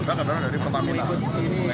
adalah karena dari pertamina